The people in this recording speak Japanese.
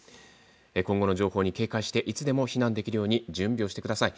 今後の情報に警戒していつでも避難できるように準備をしてください。